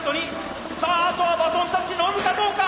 さああとはバトンタッチ乗るかどうか！